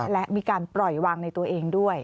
และมีการปล่อยวางในตัวเองด้วย